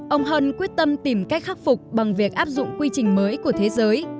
ông hân quyết tâm tìm cách khắc phục bằng việc áp dụng quy trình mới của thế giới